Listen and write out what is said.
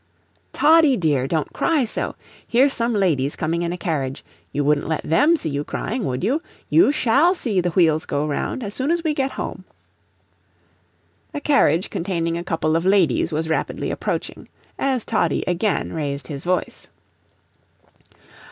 "Toddie, dear, don't cry so. Here's some ladies coming in a carriage; you wouldn't let THEM see you crying, would you? You shall see the wheels go round as soon as we get home." A carriage containing a couple of ladies was rapidly approaching, as Toddie again raised his voice.